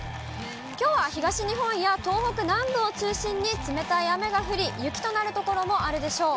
きょうは東日本や東北南部を中心に冷たい雨が降り、雪となる所もあるでしょう。